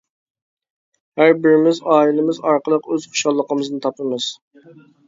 ھەربىرىمىز ئائىلىمىز ئارقىلىق ئۆز خۇشاللىقىمىزنى تاپىمىز!